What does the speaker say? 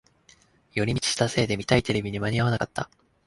寄り道したせいで見たいテレビに間に合わなかった